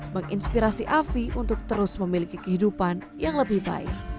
menginspirasi afi untuk terus memiliki kehidupan yang lebih baik